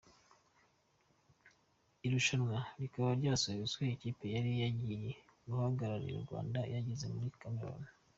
Irushanwa rikaba ryasubitswe ikipe yari yagiye guhagararira u Rwanda yageze muri Cameroun.